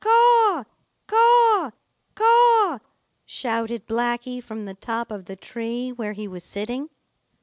"Caw, caw, caw!" shouted Blacky from the top of the tree where he was sitting.